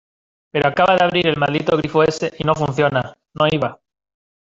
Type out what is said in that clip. pero acaba de abrir el maldito grifo ese y no funciona, no iba.